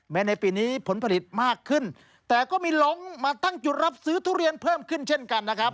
ในปีนี้ผลผลิตมากขึ้นแต่ก็มีหลงมาตั้งจุดรับซื้อทุเรียนเพิ่มขึ้นเช่นกันนะครับ